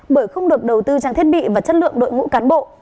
bởi không được đầu tư trang thiết bị và chất lượng đội ngũ cán bộ